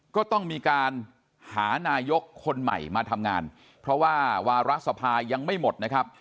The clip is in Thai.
ก็ต้องมีการหานายกคนใหม่มาทำงานเพราะว่าวาระสภายังไม่หมดนะครับ